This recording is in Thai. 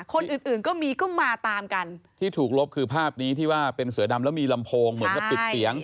คนอื่นอื่นก็มีก็มาตามกันที่ถูกลบคือภาพนี้ที่ว่าเป็นเสือดำแล้วมีลำโพงเหมือนกับปิดเสียง